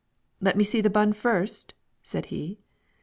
"Let me see the bun first?" said he.